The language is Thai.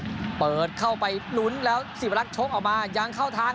จะดีขึ้นเปิดเข้าไปหลุนแล้วสิบลักษณ์โชคออกมายางเข้าทาง